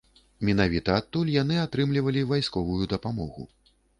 Менавіта адтуль яны атрымлівалі вайсковую дапамогу.